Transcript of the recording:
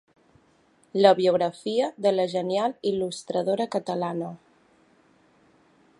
La biografia de la genial il·lustradora catalana.